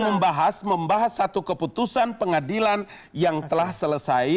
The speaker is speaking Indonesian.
sekarang kita ini sedang membahas satu keputusan pengadilan yang telah selesai